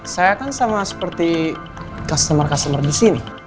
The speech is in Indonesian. saya kan sama seperti customer customer di sini